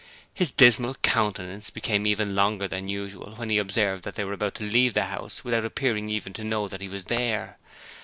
His dismal countenance became even longer than usual when he observed that they were about to leave the house without appearing even to know that he was there.